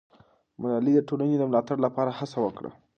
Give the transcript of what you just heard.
ملالۍ د ټولنې د ملاتړ لپاره هڅه وکړه.